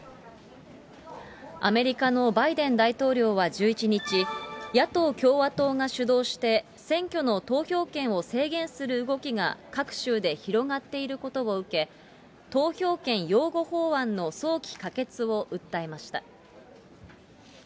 アメリカのバイデン大統領は１１日、野党・共和党が主導して、選挙の投票権を制限する動きが各州で広がっていることを受け、投票権擁護法案の早期可決を訴えました。